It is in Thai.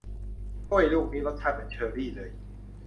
กล้วยลูกนี้รสชาติเหมือนเชอรี่เลย